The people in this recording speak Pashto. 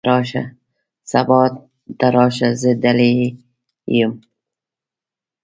سبا ته راشه ، زه دلې یم .